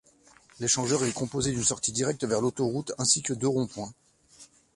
L'échangeur est composé d'une sortie directe vers l'autoroute ainsi que deux ronds-points.